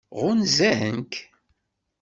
Ɣunzan-k?